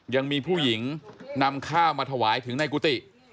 ยังมีผู้หญิงนำข้าวมาถวายถึงในกุฏิ